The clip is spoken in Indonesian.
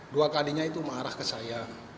dua kalinya itu marah ke saya